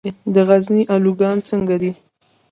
د غزني الوګان څنګه دي؟